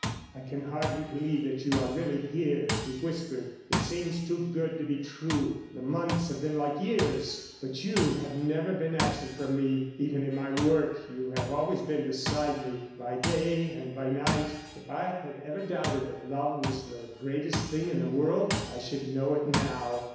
"I can hardly believe that you are really here," he whispered. "It seems too good to be true. The months have been like years. But you have never been absent from me—even in my work you have always been beside me. By day and by night. If I had ever doubted that love was the greatest thing in the world I should know it now."